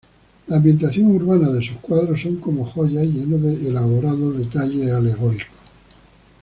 La ambientación urbana de sus cuadros son como joyas, llenos de elaborados detalles alegóricos.